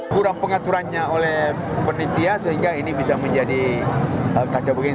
kurang pengaturannya oleh penitia sehingga ini bisa menjadi kaca begini